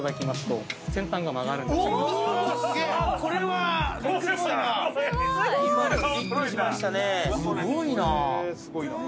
すごい！